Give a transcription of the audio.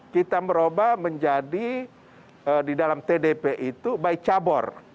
kita merubah menjadi di dalam tdp itu by cabur